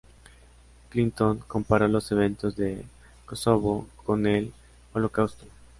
Clinton comparó los eventos de Kosovo con el Holocausto.